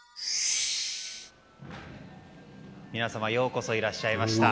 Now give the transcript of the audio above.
皆様ようこそいらっしゃいました。